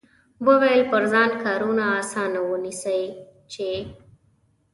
وویل پر ځان کارونه اسانه ونیسئ چې.